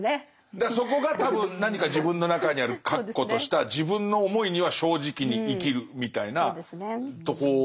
だからそこが多分何か自分の中にある確固とした自分の思いには正直に生きるみたいなとこなんでしょうね。